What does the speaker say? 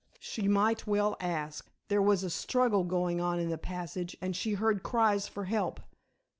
She might well ask. There was a struggle going on in the passage, and she heard cries for help.